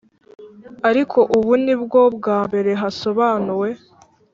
ariko ubu ni bwo bwa mbere hasobanuwe